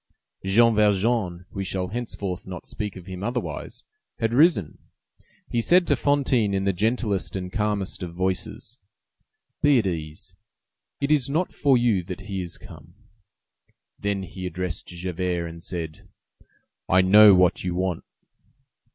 Jean Valjean—we shall henceforth not speak of him otherwise—had risen. He said to Fantine in the gentlest and calmest of voices:— "Be at ease; it is not for you that he is come." Then he addressed Javert, and said:— "I know what you want."